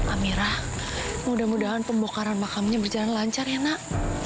amirah mudah mudahan pembokaran makamnya berjalan lancar ya nak